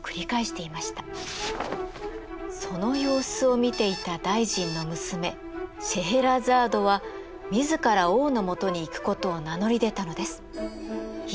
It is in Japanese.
その様子を見ていた大臣の娘シェエラザードは自ら王のもとに行くことを名乗り出たのです。